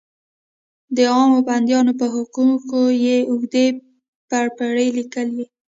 د عامو بندیانو په حقوقو یې اوږدې پرپړې لیکلې.